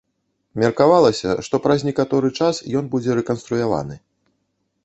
Меркавалася, што праз некаторы час ён будзе рэканструяваны.